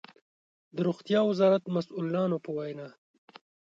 د روغتيا وزارت مسؤلانو په وينا